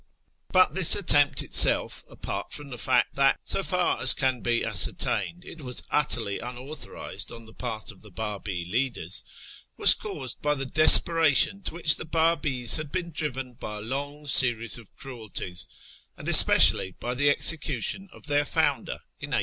But this attempt itself (apart from the fact that, so far as can be ascertained, it was utterly un authorised on the part of the Babi leaders) was caused by the desperation to which the Babis had been driven by a long series of cruelties, and especially by the execution of their Founder in 1850.